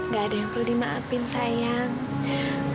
gak ada yang perlu dimaafin sayang